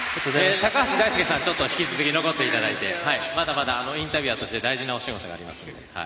高橋大輔さん、引き続き残っていただいてまだまだインタビュアーとして大事なお仕事がありますので。